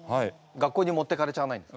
学校に持ってかれちゃわないんですか？